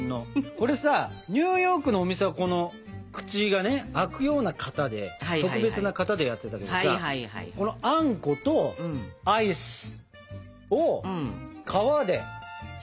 これさニューヨークのお店は口が開くような型で特別な型でやってたけどさあんことアイスを皮でサンドしましょうか？